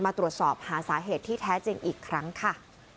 มาตรวจสอบหาสาเหตุที่แท้จริงอีกครั้งค่ะ